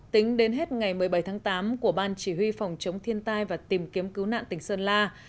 tính đến hết ngày một mươi bảy tháng tám của ban chỉ huy phòng chống thiên tai và tìm kiếm cứu nạn tỉnh sơn la